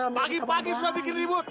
pagi pagi sudah bikin ribut